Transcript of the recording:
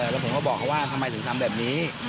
แล้วผมก็บอกเขาว่าทำไมถึงทำแบบนี้